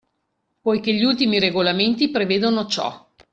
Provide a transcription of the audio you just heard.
Poichè gli ultimi regolamenti prevedono ciò